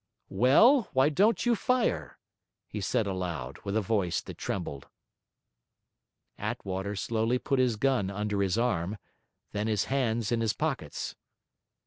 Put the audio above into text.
'Well, why don't you fire?' he said aloud, with a voice that trembled. Attwater slowly put his gun under his arm, then his hands in his pockets.